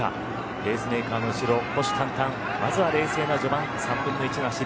ペースメーカーの後ろ虎視眈々、まずは冷静な序盤３分の１の走り。